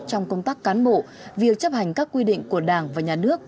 trong công tác cán bộ việc chấp hành các quy định của đảng và nhà nước